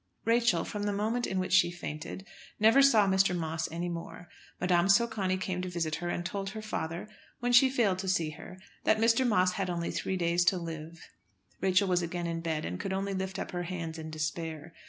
Rachel, from the moment in which she fainted, never saw Mr. Moss any more. Madame Socani came to visit her, and told her father, when she failed to see her, that Mr. Moss had only three days to live. Rachel was again in bed, and could only lift up her hands in despair.